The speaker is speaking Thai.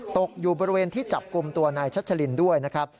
ตกอยู่บริเวณที่จับกลุ้มตัวนายชัชรินด้วย